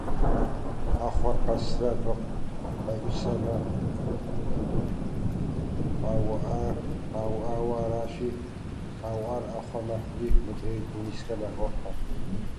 Ӏэхъуэр къэсрэ абы къеӀусэмэ, къауӀауэ аращи, къауӀар Ӏэхъуэ мэхъури, мыдрейр гум исхэм яхохьэ.